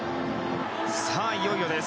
さあ、いよいよです。